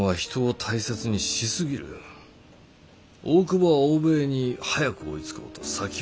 大久保は欧米に早く追いつこうと先を急ぐ。